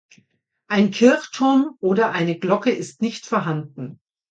Ein Kirchturm oder eine Glocke ist nicht vorhanden.